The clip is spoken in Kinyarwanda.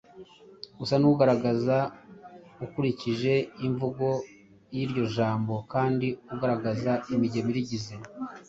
usa nuvugiriza ukurikije imvugo y’iryo jambo kandi ugaragaza imigemo irigize.